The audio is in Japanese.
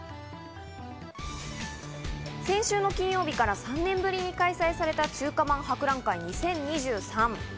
先週の金曜日から３年ぶりに開催された中華まん博覧会２０２３。